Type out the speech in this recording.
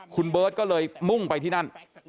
คุณเบิร์ตก็เลยมุ่งไปที่นั่น